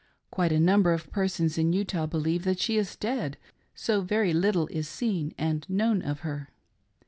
Quite a number of • persons in Utah believe that she is dead, so very little is seen and known of her.